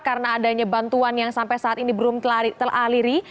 karena adanya bantuan yang sampai saat ini belum teraliri